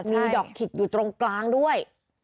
มีดอกขิกอยู่ตรงกลางด้วย